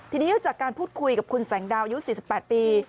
ทีนี้จากการพูดคุยกับคุณแสงดาวอายุ๔๘ปี